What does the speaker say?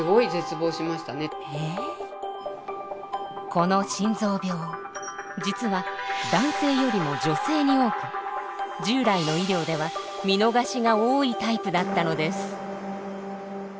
この心臓病実は男性よりも女性に多く従来の医療では見逃しが多いタイプだったのです。